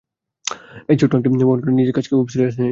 এই ছোট্ট আংটি বহনকারী নিজের কাজকে খুব সিরিয়াসলি নিচ্ছে।